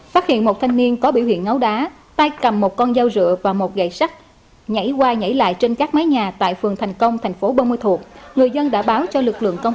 phát hiện một thanh niên có biểu hiện ngáo đá tay cầm một con dao rựa và một gậy sắt nhảy qua nhảy lại trên các mái nhà tại phường thành công thành phố bô ma thuộc